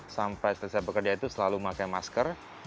sampai selesai bekerja itu selalu pakai masker